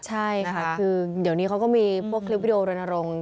ใช่ค่ะคือเดี๋ยวนี้เขาก็มีพวกคลิปวิดีโอรณรงค์